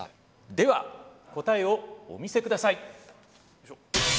では答えをお見せください。